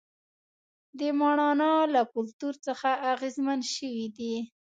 د ماڼانا له کلتور څخه اغېزمن شوي دي.